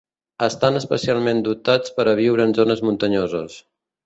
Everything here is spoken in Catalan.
Estan especialment dotats per a viure en zones muntanyoses.